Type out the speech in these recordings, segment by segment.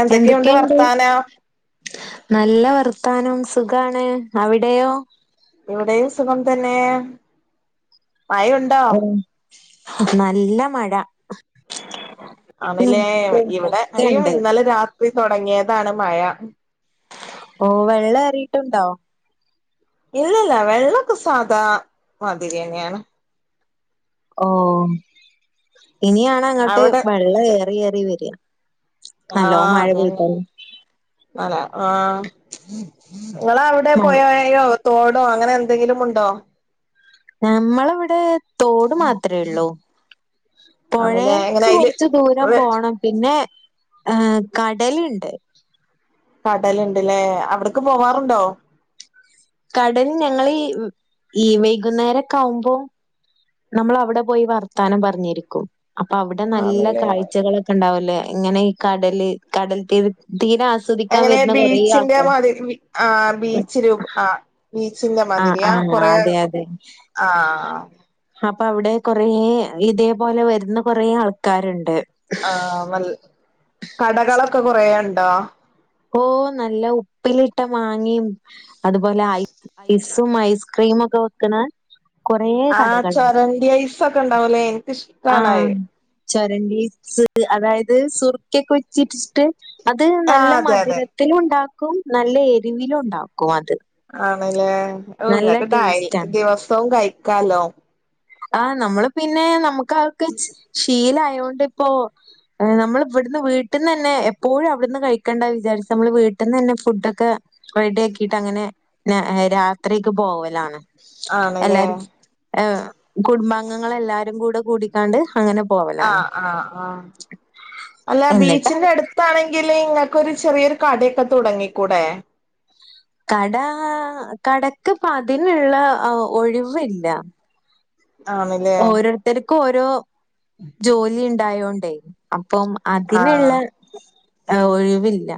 എന്തൊക്കെയുണ്ട് വർത്താനം നല്ല വർത്താനം സുഖാണ് അവിടെയോ ഇവിടെയും സുഖം തന്നെ മഴയുണ്ടോ ഉം നല്ല മഴ ഉം ആണല്ലേ ഇന്നലേം ഇവിടെ അയ്യോ ഒക്കെണ്ട്. ഇന്നലെ രാത്രി തുൊടങ്ങിയതാണ് മഴ ഓ വെള്ളം എറിയിട്ടുണ്ടോ ഇല്ലല്ല വെള്ളൊക്കെ സാധാ മതിരിയന്നെയാണ് ഓ ഇനിയാണ് അങ്ങോട്ട് അവിടെ വെള്ളം ഏറി ഏറി വരിക നല്ലോ മഴ പെയതാല ആ ആ നിങ്ങളെ അവിടെ മഴ പോയോ തോടോ അങ്ങനെ എന്തെങ്കിലും ഉണ്ടോ നമ്മളവിടെ തോട് മാത്രമേ ഉള്ളൂ ആണല്ലേ എങ്ങനെ പുഴേക്ക് അയില് കൊറച്ച് ദൂരം പോണം പിന്നെ ആഏ കടലുണ്ട് കടലുണ്ട്ല്ലേ അവിടക്ക് പോവാറുണ്ടോ കടൽ ഞങ്ങ ഈ വൈകുന്നേരൊക്കെ ആവുമ്പോ നമ്മൾ അവിടെ പോയി വർത്താനം പറഞ്ഞിരിക്കും അപ്പൊ അവിടെ നല്ല ആണല്ലേ കാഴ്ചകളൊക്കെ ഉണ്ടാവുംലേ ഇങ്ങനെ ഈ കടല് കടൽത്തീരംത് തീര ആസ്വദിക്കാൻ എങ്ങനെ വരുന്ന കൊറെേ ബീച്ചിന്റെ ആൾക്കാ മാതിരി ആ ബീച്ച് രൂപ ആ ബീച്ചിന്റെ ആഹ് മാതിരിയാ ആഹ് കൊറെ അതെ അതെ ആഹ് അപ്പൊ അവിടെ കൊറേ ഇതേപോലെ വരുന്ന കൊറേ ആൾക്കാരുണ്ട് ആ കടകളൊക്കെ കൊറേ ണ്ടോ ഓ നല്ല ഉപ്പിലിട്ട മാങ്ങിയും അതുപോലെ ഐസ് സും ഐസ്ക്രീം ഒക്കെ വക്നെ ആ ചൊരണ്ടി ഐസൊക്കെ ഇണ്ടാവൂലേ എനിക്കിഷ്ടണത് ചരണ്ടീസ് അതായത് സുറുക്കൊക്കെ വെച്ചിട്ടിച്ചിട്ട് അത് നല്ല ആഹ് അതെ മധു അതെ രത്തിലും ഉണ്ടാക്കും നല്ല എരിവിലും ഉണ്ടാക്കും അത് ആണല്ലേ ഔ നല്ല ഇങ്ങട്ട് ടേസ്റ്റാണ്. ദിവസവും കഴിക്കാലോ ആഹ് നമ്മള് പിന്നെ നമുക്ക് അതൊക്കെ ശീല ഇപ്പോ നമ്മൾ ഇവിന്ന് വീട്ടിൽന്ന് തന്നെ എപ്പോഴും അവിടുന്ന് കഴിക്കേണ്ട വിചാരിച്ച നമ്മൾ വ പെട്ടന്ന് തന്നെ ഫുഡൊക്കെ റെഡിയ ആക്കിട്ട് അങ്ങനെ രാത്രിക്ക് പോവലാണ് ആണല്ലേ എല്ലാരും ഏ കുടുംബാംഗങ്ങള എല്ലാരും കൂടെ കൂടിക്കാണ്ട് അങ്ങനെ ആഹ പോവലാണ്. ആഹ് ആഹ അല്ല എന്നിട്ട് ബീച്ചിന്റെ അടുത്താണെങ്കില് ഇങ്ങക് ഒരു ചെറിയൊരു കടൊക്കെ തുടങ്ങിക്കൂടെ കട കടക്ക്പ്പതിനുള്ള ഒഴിവില്ല ആണല്ലേ ഓരോരുത്തർക്കും ഓരോ ജോലി ഉണ്ടായോണ്ടേ അപ്പം അതിനുള്ള ആഹ് ആ ഒഴിവില്ല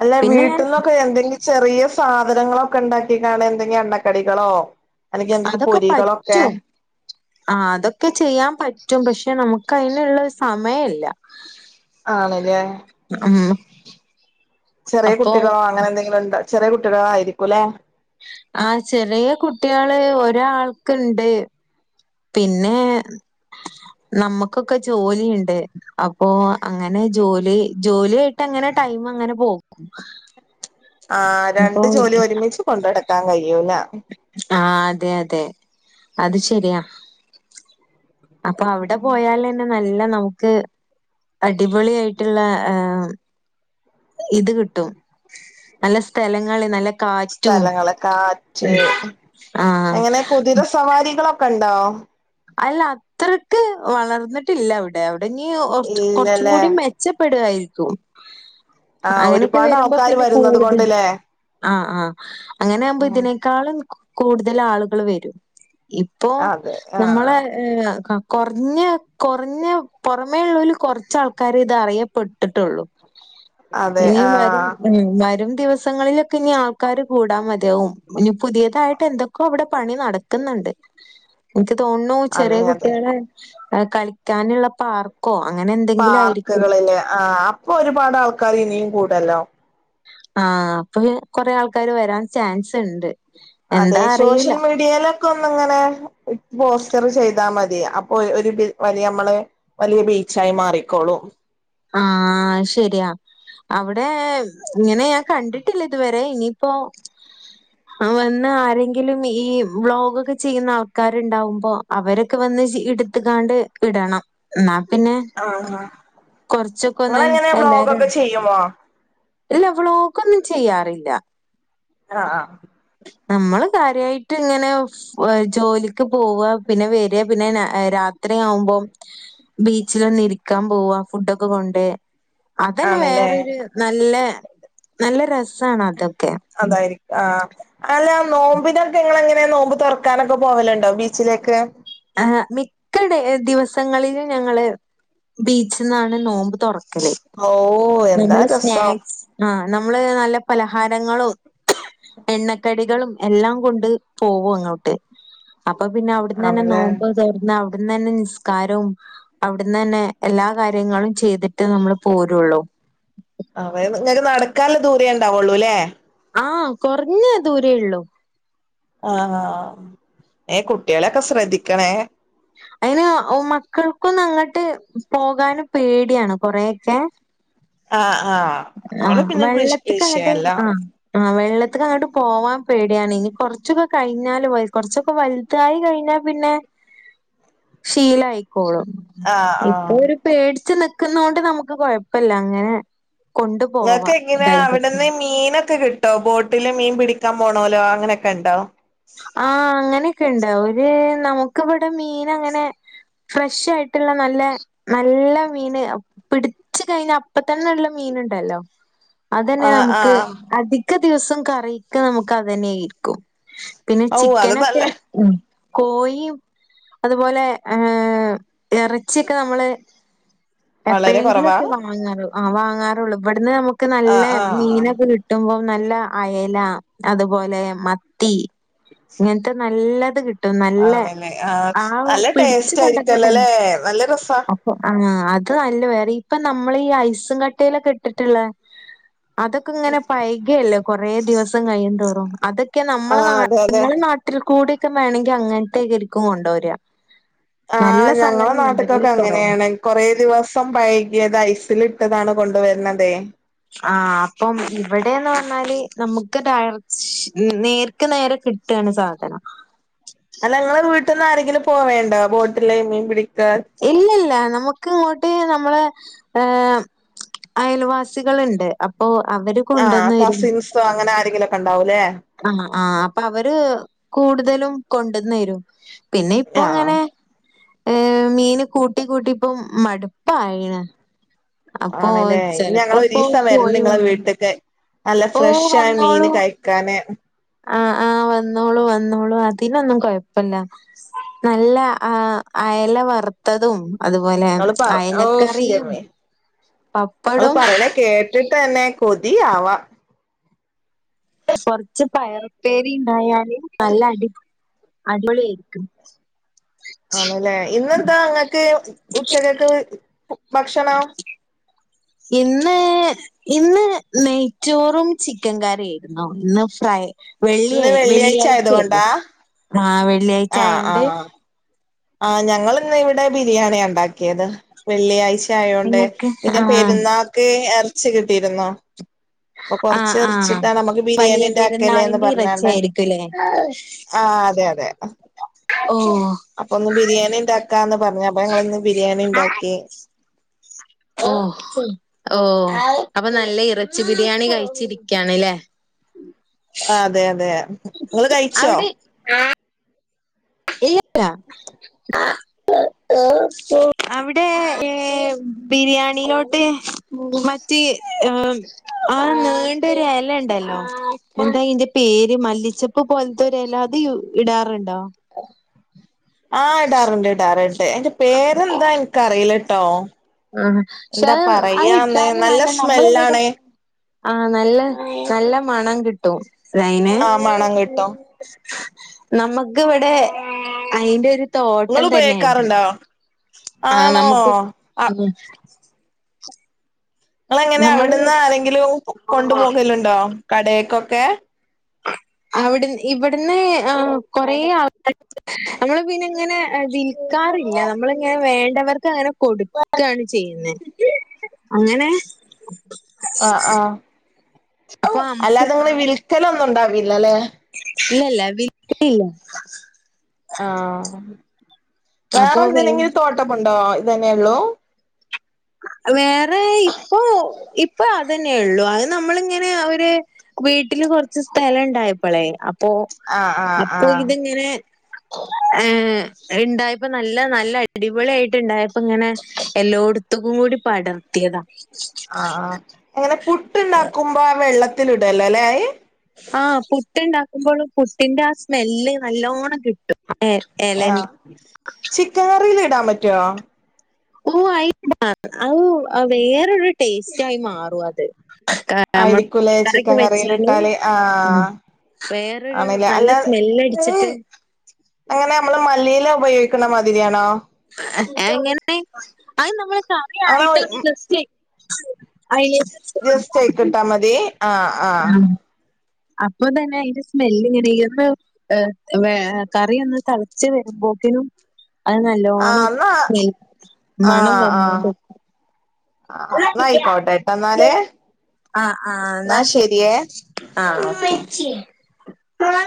അല്ല പിന്നെ വീട്ടിൽന്നൊക്കെ എന്തെങ്കില ചെറിയ സാധനങ്ങളൊക്കെ ഉണ്ടാക്കി കാണ എന്തെങ്കും എണ്ണക്കടികളോ അല്ലെങ്കിൽ എന്തെങ്കിലും അതൊക്കെ പൊരികളൊക്കെ പറ്റും ആ അതൊക്കെ ചെയ്യാൻ പറ്റും പക്ഷെ നമുക്ക് അയിനുള്ള ഒരു സമയില്ല ആണ്ല്ലേ ചെറിയ അപ്പോ കുട്ടികളോ അങ്ങനെന്തെങ്കിലുണ്ടോ ചെറിയ കുട്ടികളായിരിക്കും ല്ലെ ആ ചെറിയ കുട്ട്യാള് ഒരാൾക്ക്ണ്ട് പിന്നെ നമ്മക്കൊക്കെ ജോലി ഇണ്ട് അപ്പോ അങ്ങനെ ജോലി ജോലിയായിട്ട് അങ്ങനെ ടൈമങ്ങനെ പോക്കും ആ രണ്ട് ജോലി ഒരുമിച്ച് കൊണ്ടടക്കാൻ കയ്യൂല ആ അതെ അതെ അത് ശരിയാ അപ്പൊ അവിടെ പോയാലെന്നെ നല്ല നമുക്ക് അടിപൊളി ആയിട്ട്ള്ള ഏ ഇത് കിട്ടും നല്ല സ്ഥലങ്ങള് നല്ല കാറ്റും സ്ഥലങ്ങള് കാറ്റ് ആഹ് അങ്ങനെ കുതിര സവാരികളൊ ക്കെണ്ടോ അല്ല അത്രക്ക് വളർന്നിട്ടില്ല അവ്ടെ അവ് ഇനി ഒർച്ച് കൊർച്ചും ഇല്ലല്ലേ കൂടി മെച്ചപ്പെടായിരിക്കും ആ അങ്ങനെക്കെ ഒരുപാട് വരുമ്പോ ആൾക്കാര് പിന്നെ വരുന്നത് കൂടുതൽ കൊണ്ട്ല്ലേ ആ ആ അങ്ങനെ ആകുമ്പോ ഉം ഇതിനേക്കാളും കു കൂടുതൽ ആളുകൾ വരും ഇപ്പോ അതെ ആ നമ്മളെ ഏ ക കൊർഞ്ഞെ കൊർഞ്ഞെ പുറമേള്ളോൽ കൊർച്ചാൾക്കാര് ഇത് അറിയപ്പെട്ടിട്ടൊള്ളു അതെ ആ ഇനിയും വരും ഉം വരും ദിവസങ്ങളിലൊക്കെ ഇനി ആൾക്കാര് കൂടാൻ മതിയാവും ഇനി പുതിയതായിട്ട് എന്തൊക്കോ അവിടെ പണി നടത്ത്ന്ന് ണ്ട് ഇൻക്ക് തോന്നുണു അതെ ചെറിയ അതെ കുട്ട്യാളെ കളിക്കാനുള്ള പാർക്ക് പാർക്കുകള് ല്ലെ ആ അപ്പൊ ഒരുപാട് ആൾക്കാര് ഇനിയും കൂടല്ലോ ആ അപ്പൊ കൊറേ ആൾക്കാര് വരാൻ ചാൻസ് ഇണ്ട് അതെ എന്താ അറിയൂല. ശോഷ്യൽ മീഡിയേലൊക്കൊന്ന്ങ്ങനെ പോസ്റ്റർ ചെയ്താ മ തി അപ്പൊ ഒരു ബിൽ വലിയമ്മള് വലിയ ബീച്ചായി മാറിക്കോളും ആ ശരിയാ അവിടെ ഇങ്ങനെ ഞാൻ കണ്ടിട്ടില്ല ഇതുവരെ ഇനിയിപ്പൊ വന്ന് ആരെങ്കിലും ഈ വ്ലോഗൊക്കെ ചെയ്യുന്ന ആൾക്കാരുണ്ടാവുമ്പോ അവരൊക്കെ വ ന്ന് ഇട്ത്ത്ക്കാണ്ട് വിടണം ന്നാ ആ ഒന്ന് ഇങ്ങളെങ്ങനെ എല്ലാരും വ്ലോഗൊക്കെ ചെയ്യുമോ ഇല്ല വ്ലോകൊന്നും ചെയ്യാറില്ല ആ അ നമ്മള് കാര്യയിട്ട് ഇങ്ങനെ ജോലിക്ക് പോവ പിന്നെ വര പിന്നെ രാത്രി ത്രെയാവുമ്പോം ബീച്ചിലൊന്ന് ഇരിക്കാൻ പോവ ഫുഡൊക്കെ കൊണ്ട് അതന്നെ ആണല്ലേ വേറൊരു നല്ല നല്ല രസാണ് അതൊക്കെ ആ അല്ല നോമ്പിനൊക്കെ ഇങ്ങളെങ്ങനെ നോമ്പ് തൊറക്കാനൊക്കെ പോവല്ണ്ടോ ബീച്ചിലേക്ക് ആ മിക്ക ദിവസങ്ങളിലും ഞങ്ങള് ബീച്ച്ന്നാണ് നോമ്പ് തൊറ ക്കല് ഓ എന്താ നമ്മള് രസം സ്നാക്സ് ആ നമ്മള് നല്ല പലഹാരങ്ങളും എണ്ണക്കടികളും എല്ലാം കൊണ്ട് പോവും അങ്ങോട്ട് അപ്പൊ പിന്നെ അവിടെന്നന്നെ ആണല്ലേ നോമ്പ് തൊറന്ന് അവിട് ന്നെന്ന നിസ്കാരവും അവിട്ന്നെന്നെ എല്ലാ കാര്യങ്ങളും ചെയ്തിട്ട് നമ്മള് പോരൊള്ളൂ ആ ഇങ്ങക്ക് നടക്കാൻള്ള ദൂരേ ഉണ്ടാവുള്ളൂല്ലേ ആഹ് കൊർഞ്ഞ ദൂരേ ഉള്ളു ആഹ് ആ ഏ കുട്ട്യാളൊക്കെ ശ്രദ്ധിക്കണേ അയിന് ഓ മക്കൾ ന്ന് അങ്ങട്ട് പോകാന് പേട്യാണ് കൊറേയൊക്കെ ആഹ് ആഹ് അവള് ആഹ് പിന്നെ വിഷ് വെള്ളത്തിക്കങ്ങട്ട് വിഷയല്ല ആ ആ വെള്ളത്ത്ക്കങ്ങട്ട് പോവാൻ പേട്യാണ് ഇനി കൊറച്ചൊക്കെ കഴിഞ്ഞാല് വയസ് കൊറച്ചൊക്കെ വൽതായി കഴിഞ്ഞാ പിന്നെ [inaudible] ശീല ആയി ളും ആഹ് ഇപ്പൊ ആഹ് ഒരു പേടച്ച് നിക്കുന്ന കൊണ്ട് നമുക്ക് കൊഴപ്പില്ല അങ്ങനെ കൊണ്ടുപോവാ നിങ്ങൾക്ക് എങ്ങനെ ധൈര്യത്തിന്. അവിടെന്ന് മീനൊക്കെ ക്കെ കിട്ടോ ബോട്ടില് മീൻ പിടിക്കാൻ പോണല്ലോ അങ്ങനെയൊക്കെ ഉണ്ടോ ആഹ് അങ്ങനെയൊക്കെ ഉണ്ട് ഒരു നമുക്ക് ഇവിടെ മീൻ അങ്ങനെ ഫ്രഷ ആയിട്ടുള്ള നല്ല നല്ല മീന് പിടിച്ചു കഴിഞ്ഞ ഇപ്പൊ തന്നെ ഉള്ള മീൻ ഉണ്ടല്ലോ അതനെ ആഹ് നമുക്ക് ആഹ് അധിക ദിവസം കറിക്ക നമുക്ക് അതനെയിരിക്കും പിന്നെ ഔ അത് നല്ല ചിക്കനൊക്കെ ഉ കോഴിയും അതുപോലെ ഏ ഇറച്ചിയൊക്കെ നമ്മള് വളരെ കുറവാ എപ്പോഴെങ്കിലുംക്കെ വാങ്ങാറോ ആ വാങ്ങാറുള്ളൂ ഇവിടുന്ന് നമുക്ക് നല്ല ആഹ് ആഹ് മീനൊക്കെ കിട്ടുമ്പോം നല്ല അയല അതുപോലെ മത്തി ഇങ്ങനത്തെ നല്ലത് കിട്ടും നല്ല ആണല്ലേ ആഹ് ആ നല്ല പിടിച്ച ടേസ്റ്റ് കണ്ടട്ട ആയിരിക്കല്ലോല്ലേ നല്ല രസാ അപ്പൊ ആഹ അത അല്ല വേറെ ഇപ്പൊ നമ്മൾ ഈ ഐസും കട്ടയിലൊക്കെ ഇട്ടിട്ടുള്ള അതൊക്കെ ഇങ്ങനെ പൈകയല്ലേ കൊറേ ദിവസം കഴിയും തോറും അതൊക്കെ നമ്മളെ ആഹ് നാ അതെ അതെ നിങ്ങളെ നാട്ടിൽ കൂടെക്കെ വേണമെങ്കിൽ അങ്ങനത്തെയക്കെ ഇരിക്കും കൊണ്ട വരിക ആഹ ഞങ്ങളെ നാട്ടക്കൊക്കെ അങ്ങനെയാണ് കൊറേ ദിവസം പൈകിയത് ഐസിൽ മതാണ് കൊണ്ടുവരുന്നതേ ആഹ് അപ്പം ഇവിടെന്ന് പറഞ്ഞാല് നമുക്ക് ഡ നേർക്ക് നേരെ കിട്ടും ആണ് സാധനം അല്ല ഞങ്ങള് വീട്ടിൽ നിന്ന ആരെങ്കിലും പോവേണ്ട ബോട്ടിൽൻ പി ഇല്ല ഇല്ല നമുക്ക് ഇങ്ങോട്ട് നമ്മളെ ഹ് അയൽവാസികളുണ്ട് അപ്പോ ആഹ കസിൻസോ അങ്ങനെ ആരെങ്കിലുംക്കെ ഉണ്ടാവൂല്ലേ ആഹ് ആഹ അപ്പൊ അവര് കൂടുതലും കൊണ്ടുവന്ന് വരും പിന്നെ ഇപ്പൊ ആഹ് എങ്ങനെ ഏ മീന് കൂട്ടി കൂട്ടി ഇപ്പം മടുപ്പായിന ആണല്ലെ ഇനി ഞങ്ങള് ഒരുരീസ വര കോഴി നിങ്ങളെ വാങ്ങും വീട്ടത്തൊക്കെ നല്ല ഫ്രഷ ഓഹ് ആയ മീന് കഴിക്കാന് ആ ആവന്നോളു വന്നോളു അതിനൊന്നും കൊഴപ്പില്ല നല്ല ആ അയല വറുത്തതും അതുപോലെ അയലക്കറിയും അൾ പപ്പടവും പറയണേ കേട്ടിട്ട് തന്നെ കൊതിയാവാ കൊറച്ച് പയറപ്പേരി ഉണ്ടായാല് നല്ല അടിപൊളി അടിപൊളിയയിരിക്കും ആണല്ലേ ഇന്നെന്താ അങ്ങക്ക് ഉച്ചക്കൊക്കെ ഭക്ഷണ ഇന്ന് ഇന്ന് നെയ്ചോറും ചിക്കൻ കറി ഇന്ന് ഫ്രൈ വെള്ളിയ ഇന്ന് വെള്ളിയാഴ്ച വെള്ളിയാഴ്ചയല്ലേ ആയതുകൊണ്ടാ ആ വെള്ളിയാഴ്ച ആയൊണ്ട് ആ ഞങ്ങൾന്ന് ഇവിടെ ബിരിയാണി ഉണ്ടാക്കിയത് വെള്ളിയാഴ്ച ആയോണ്ട് നിങ്ങക്ക് പിന്നെ ആഹ് പെരുന്നാക്ക് ഇറച്ച കിട്ടിയിരുന്നോ അപ്പൊ കൊറച്ച് ആഹ് ആഹ് എറിച്ചിട്ടാ നമുക്ക് വലിയ ബിരിയാണീന്റെ അക്കലന്ന് പെരുന്നാളിന്റെ പറഞ്ഞണ്ട ഇറച്ചിയായിരിക്കുംല്ലേ ആ അതെ അതെ ഓഹ് അപ്പൊ ഒന്ന് ബിരിയാണി ഉണ്ടാക്കാന്ന് പറഞ്ഞ അപ്പൊ ഞങ്ങിന്ന് ബിരിയാണി ഉണ്ടാക്കി ഓ ഓ അപ്പൊ നല്ല ഇറച്ചി ബിരിയാണി കഴിച്ചിരിക്കാണ്ല്ലേ അതെ അതെ നിങ്ങങ്ങള് കഴിച്ചോ അവിടെ ഇല്ലല്ല അവിടെ ബിരിയാണോട്ട് ആ ആഹ നീണ്ടൊരൂ എല ഉണ്ടല്ലോ എന്താ അയിന്റെ പേര് മല്ലിച്ചപ്പ് പോലത്തെ ഇല അത് ഇടാറുണ്ടോ ആ് ഇടാറുണ്ട് ഇടാറുണ്ട് അയിന്റെ പേരെന്താ എനിക്കറിയിലട്ടോ ആ ക്ഷെ അത് ഇട്ടാലും നല്ല നമ്മള ഇവിടെ ആഹ നല്ല നല്ല മണം കിട്ടും അയിന് ആഹ മണം കിട്ടും നമുക്ക് ഇവിടെ അയിന്റെ ഒരു നിങ്ങൾ തോട്ടം തന്നെയണ്ട് ഉപയോഗിക്കാറുണ്ടോ ആഹ ആണോ നമുക്ക് ആ ഉ നിങ്ങള എങ്ങനെ അവിടുന്ന് ആരെങ്കിലും കൊണ്ടുപോകലുണ്ടോ കടക്കൊക്കെ അവിട് ഇവിടുന്ന് കൊറേ ആൾക്ക നമ്മള് പിന്നെ ഇങ്ങനെ ക്കാറില്ല നമ്മളിങ്ങനെ വേണ്ടവർക്ക് അങ്ങനെ കൊടുക്ക ചെയ്യുന്നത് അങ്ങനെ ആ ആഹ അപ്പൊ അല്ലാതെ ഇങ്ങനെ വിൽക്ക ലൊന്നും ഉണ്ടാവില്ല അല്ലെ ഇല്ലല്ല വിൽക്കലില്ല അപ്പൊ വേ വേറെന്തനെങ്കിലും തോട്ടമുണ്ടോ ഇതന്നെയള്ളൂ വേറെ ഇപ്പൊ ഇപ്പൊ അതനെയൊ ഉള്ളു അത് നമ്മളിങ്ങനെ ഒരുവീട്ടിൽ കൊറച്ച് സ്ഥലം ഇണ്ടായപ്പോളെ അപ്പൊ ആഹ് ആഹ് അപ്പൊ ആഹ് ഇത്ങ്ങനെ ഏഹ ഇണ്ടായപ്പ നല്ല നല്ല അടിപൊളി ആായിട്ട് ഇണ്ടായപ്പ ഇങ്ങനെ എല്ലോടത്തും തുകും കൂടി പടർത്തിയതാ ആ ആ് എങ്ങനെ പുട്ട്ഉണ്ടാക്കുമ്പോ ആ വെള്ളത്തി ഇടല്ലോ അല്ലെ ആയി് ആഹ പുട്ടുണ്ടാക്കുമ്പോളും പുട്ടിന്റെ ആ സ്മെല്ല് നല്ലോണം കിട്ടും എ ആ എലന്റെ ചിക്കൻ കറിൽ ഇടാൻ പറ്റോ ഒ ഓയി അ വേറൊരു ടേസ്റ്റ് ആയി മാറും അത് നമ്മ ആയിരിക്കൂലേ കോഴിക്കാരൊക്കെ ചിക്കൻ കറിയിൽ വെച്ചല് ഇട്ടാല് ആഹ് വേറൊരു ആണല്ലേ നല്ല അല്ല സ്മെല്ടിച്ചിട്ട് അങ്ങനെ നമ്മള് മല്ലിയില ഉപയോഗിക്കുന്ന മാതിരിയാണോ എങ്ങനെ അത് നമ്മള് അങ്ങനെ സമയായിട്ടറ്റ് അയി ജസ്റ്റ് ആയിക്കിട്ടാ മതി ആ ആ അപ്പൊ തന്നെ അതിന്റെ സ്മെല് ഇങ്ങനെ ഈ ഒന്ന് കറി ഒന്ന് തളച്ച്ു വരുമ്പോ ത്തിലും അത് ആഹ് നല്ലോണം എന്നാ മണം വന്നോടിരിക്കും ആ നായിക്കാവട്ടെ എട്ടാന്നാൽ ആഹ് ആഹ എന്നാ ശരി ആഹ